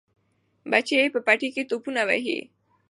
بچي یې په پټي کې ټوپونه وهي.